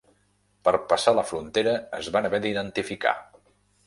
Per passar la frontera es van haver d'identificar.